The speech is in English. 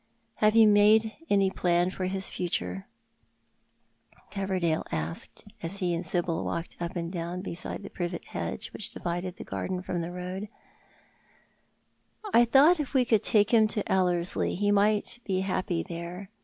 '* Ilavo you made any plan for his future ?" Coverdale asked, 298 Thott art the Ma7i. as he and Sibyl walked up and down beside the privet bedge which divided the garden from the road. " I thought if we could take him to Ellerslie he might be happy there.